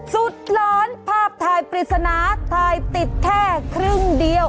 หลอนภาพถ่ายปริศนาถ่ายติดแค่ครึ่งเดียว